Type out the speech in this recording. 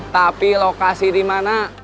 tapi lokasi di mana